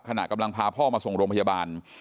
ขณะกำลังพาพ่อมาส่งโรงพยาบาล